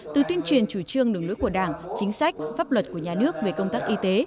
từ tuyên truyền chủ trương đường lưới của đảng chính sách pháp luật của nhà nước về công tác y tế